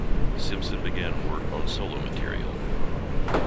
Simpson began work on solo material.